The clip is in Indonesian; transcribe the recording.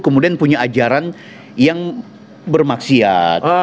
kemudian punya ajaran yang bermaksiat